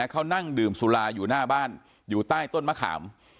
เขานั่งดื่มสุราอยู่หน้าบ้านอยู่ใต้ต้นมะขาม